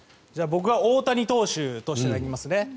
僕が大谷投手として投げますね。